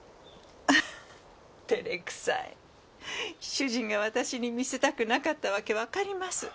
主人が私に見せたくなかったわけわかります。